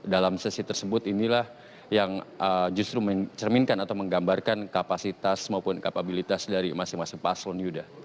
dalam sesi tersebut inilah yang justru mencerminkan atau menggambarkan kapasitas maupun kapabilitas dari masing masing paslon yudha